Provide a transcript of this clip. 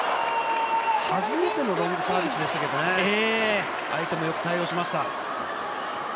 初めてのロングサービスでしたね、相手によく対応しました。